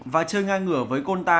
và chơi ngang ngửa với conta